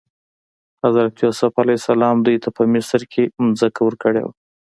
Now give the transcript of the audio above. حضرت یوسف علیه السلام دوی ته په مصر کې ځمکه ورکړې وه.